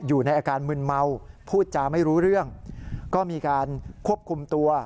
อยู่ในอาการมึนเมาพูดจาไม่รู้เรื่องก็มีการควบคุมตัว